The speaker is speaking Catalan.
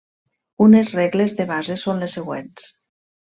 Unes regles de base són les següents.